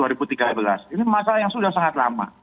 ini masalah yang sudah sangat lama